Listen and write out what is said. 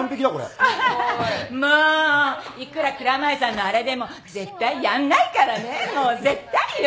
アハハもういくら蔵前さんのあれでも絶対やんないからね絶対よ。